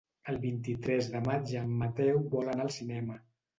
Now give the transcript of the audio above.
El vint-i-tres de maig en Mateu vol anar al cinema.